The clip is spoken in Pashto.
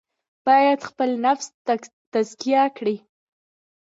باید خپل نفس تزکیه کړي.